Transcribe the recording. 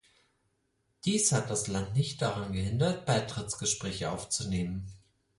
Dies hat das Land nicht daran gehindert, Beitrittsgespräche aufzunehmen.